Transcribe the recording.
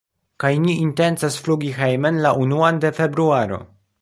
kaj ni intencas flugi hejmen la unuan de februaro.